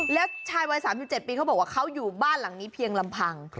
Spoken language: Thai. แล้วชายวัย๓๗ปีเขาบอกว่าเขาอยู่บ้านหลังนี้เพียงลำพัง